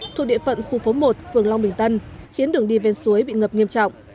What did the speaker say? thuộc địa phận khu phố một phường long bình tân khiến đường đi ven suối bị ngập nghiêm trọng